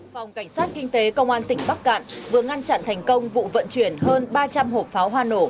phòng cảnh sát kinh tế công an tỉnh bắc cạn vừa ngăn chặn thành công vụ vận chuyển hơn ba trăm linh hộp pháo hoa nổ